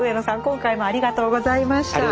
今回もありがとうございました。